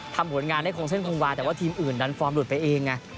ผลงานได้คงเส้นคงวาแต่ว่าทีมอื่นดันฟอร์มหลุดไปเองไง